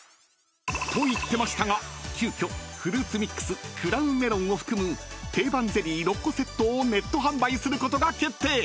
［と言ってましたが急きょフルーツミックスクラウンメロンを含む定番ゼリー６個セットをネット販売することが決定］